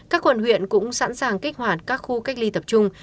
các quận huyện cũng sẵn sàng kích hoạt các khu cách ly tập trung